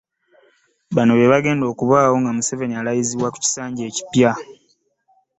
Bano be bagenda okubaawo nga Museveni alayizibwa kunkisanja ekipya.